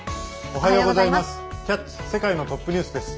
おはようございます。